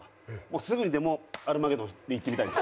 もうすぐにでもアルマゲドンいってみたい。